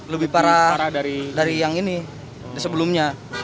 lebih parah dari yang ini dari sebelumnya